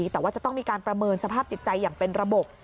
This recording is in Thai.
แต่ว่าจะต้องมีการประเมินสภาพจิตใจอย่างเป็นระบบ